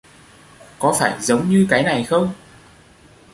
Có phải giống như cái này không